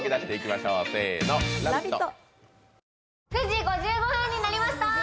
９時５５分になりました